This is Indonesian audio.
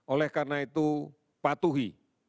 oleh karena itu patuhi